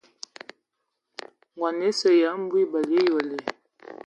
Ngɔn esə ya mbu ebələ eyole.